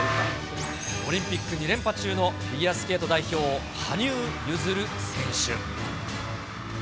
オリンピック２連覇中のフィギュアスケート代表、羽生結弦選手。